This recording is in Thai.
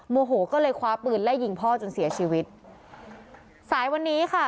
โมโหก็เลยคว้าปืนไล่ยิงพ่อจนเสียชีวิตสายวันนี้ค่ะ